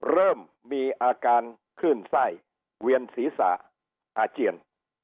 เริ่มมีอาการขึ้นไส้เวียนศีรษะอาเจียน